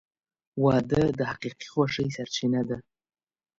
• واده د حقیقي خوښۍ سرچینه ده.